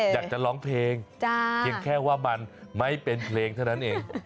อยากจะร้องเพลงเพียงแค่ว่ามันไม่เป็นเพลงเท่านั้นเอง